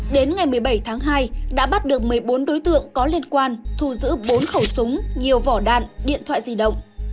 đến ngày một mươi bảy tháng hai đã bắt được một mươi bốn đối tượng có liên quan thu giữ bốn khẩu súng nhiều vỏ đạn điện thoại di động